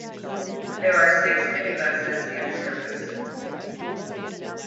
There are six minibuses in service.